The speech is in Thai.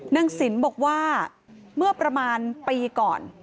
สินบอกว่าเมื่อประมาณปีก่อน